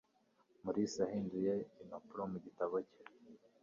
Mulisa yahinduye impapuro mu gitabo cye.